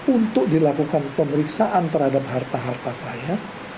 untuk dilakukan pemeriksaan terhadap harta harta saya